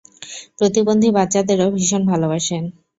প্রতিবন্ধী বাচ্চাদেরও ভীষণ ভালোবাসেন!